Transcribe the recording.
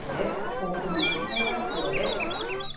暴風に警戒が必要です。